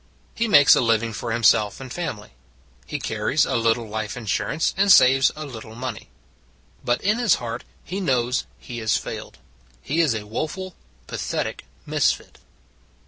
He makes a living for himself and family; he carries a little life insur ance and saves a little money. But in his heart he knows he has failed; he is, a woeful, pathetic misfit.